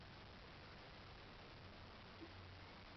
দু-একটা সাহসী কাক ছোঁ মেরে মেরে রসগোল্লার টুকরা ঠোঁটে নিয়ে উড়ে যাচ্ছে।